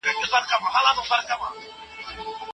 ایا آنلاین زده کړه د حضوري ټولګیو په پرتله ګټوره ده؟